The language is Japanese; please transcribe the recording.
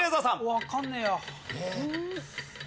わかんねえや。